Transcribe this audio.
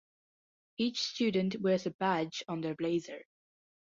Each student wears a badge on their blazer.